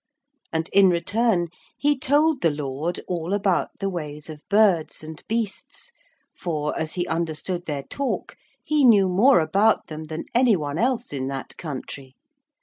And in return he told the lord all about the ways of birds and beasts for as he understood their talk he knew more about them than any one else in that country.